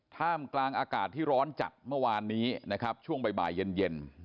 ท่ามกลางอากาศที่ร้อนจัดเมื่อวานนี้นะครับช่วงบ่ายเย็น